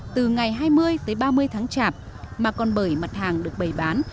từ ngày hai mươi tới ba mươi tháng chạp mà còn bởi mặt hàng được bày bán